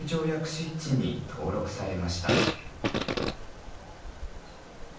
湿地に登録されました。